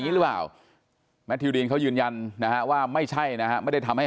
หรือเปล่าแมททิวดีนเขายืนยันนะฮะว่าไม่ใช่นะฮะไม่ได้ทำให้